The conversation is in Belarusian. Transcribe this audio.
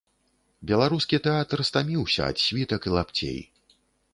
Беларускі тэатр стаміўся ад світак і лапцей.